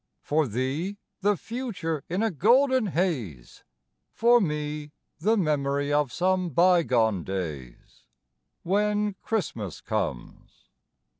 For thee, the future in a golden haze, For me, the memory of some bygone days, When Christmas comes.